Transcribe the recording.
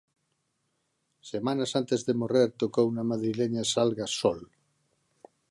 Semanas antes de morrer tocou na madrileña salga Sol.